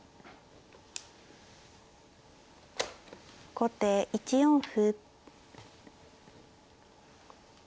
後手１四歩。